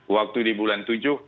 waktu di bulan tujuh